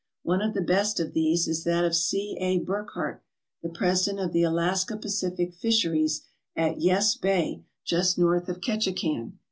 One of the best of these is that of C. A. Burckhardt, the president of the Alaska Pacific Fisheries at Yess Bay, just north of Ketchikan.